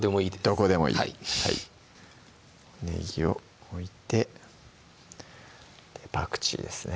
どこでもいいねぎを置いてパクチーですね